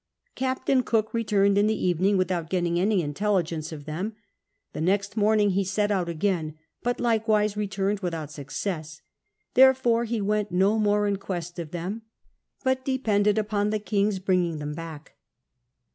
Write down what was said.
9*^" SSS; reLied in tbc evening ^lAout getong Miy mtettt gence of them ; the next momng \ie set out ajjun, but likewise returned without success j theretore he weut no more in quest of them, hut depended upon the king's bringing them hack.